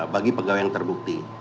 bagi pegawai yang terbukti